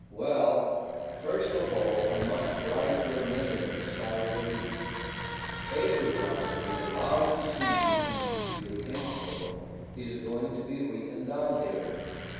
"Well, first of all I must write your name inside the lid. Everyone who is allowed to see into the temple is going to be written down there.